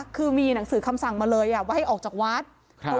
คือมีหนังสือคำสั่งมาเลยว่าให้ออกจากวัด